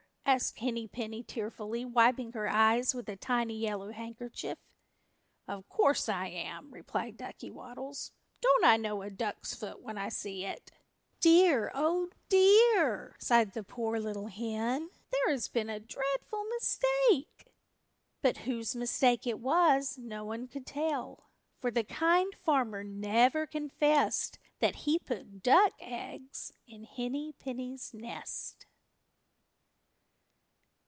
asked Henny Penny tearfully, wiping her eyes with a tiny yellow handkerchief. "Of course I am," replied Ducky Waddles. "Don't I know a duck's foot when I see it?" "Dear, Oh dear!" sighed the poor little hen, "there has been a dreadful mistake!" But whose mistake it was no one could tell, for the Kind Farmer never confessed that he put duck eggs in Henny Penny's nest.